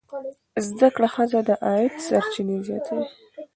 زده کړه ښځه د عاید سرچینې زیاتوي.